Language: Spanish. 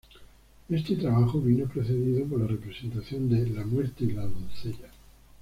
Este trabajo vino precedido por la representación de "La muerte y la doncella".